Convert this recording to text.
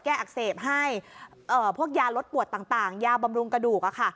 แก้อักเสบให้เอ่อพวกยารดปวดต่างต่างยาบำรุงกระดูกอะค่ะ